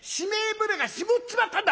船が沈っちまったんだ！